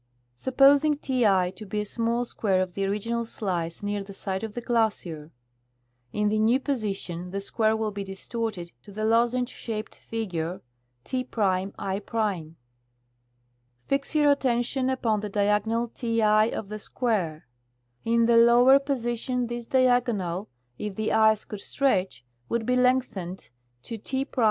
Supposing T i to be a small square of the original slice near the side of the glacier ; in the new position the square will be distorted to the lozenge shaped figure T^ l^. Fix your attention upon the 128 /. C. Russell — Expedition to Mount St. Elias. diagonal Ti of the square ; in the lower position this diagonal, if the ice could stretch, would be lengthened to T^ ?